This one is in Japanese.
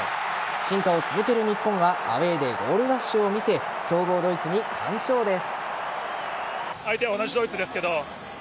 進化を続ける日本がアウェーでゴールラッシュを見せ強豪ドイツに完勝です。